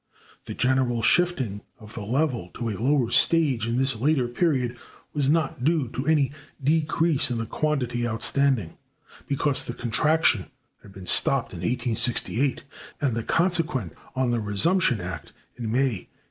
The general shifting of the level to a lower stage in this later period was not due to any decrease in the quantity outstanding, because the contraction had been stopped in 1868, and that consequent on the resumption act in May, 1878.